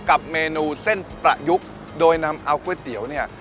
กับเมนูเส้นประยุกต์โดยนำเอาก๋วยเตี๋ยวเนี่ย